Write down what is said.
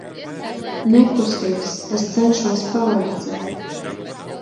Nekusties, es cenšos palīdzēt.